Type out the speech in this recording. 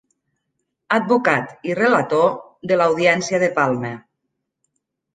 Advocat i relator de l'Audiència de Palma.